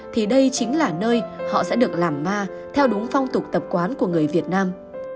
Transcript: thì đây chính là nơi họ sẽ được làm ma theo đúng phong tục tập quán của người việt nam